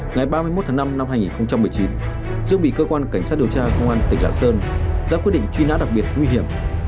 ngày ba mươi một tháng năm năm hai nghìn một mươi chín dương bị cơ quan cảnh sát điều tra công an tỉnh lạng sơn ra quyết định truy nã đặc biệt nguy hiểm